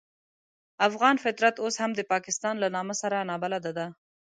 افغان فطرت اوس هم د پاکستان له نامه سره نابلده دی.